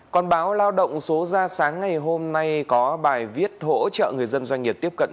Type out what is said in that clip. còn báo lao động số ra sáng ngày hôm nay có bài viết hỗ trợ người dân doanh nghiệp tiếp cận